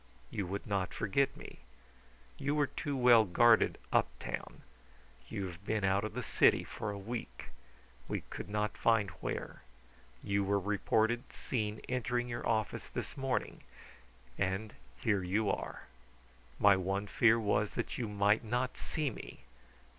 You would not forget me. You were too well guarded uptown. You have been out of the city for a week. We could not find where. You were reported seen entering your office this morning; and here you are. My one fear was that you might not see me.